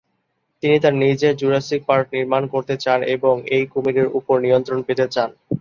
তিনি তার নিজের জুরাসিক পার্ক নির্মাণ করতে চান এবং এই কুমিরের উপর নিয়ন্ত্রণ পেতে চান।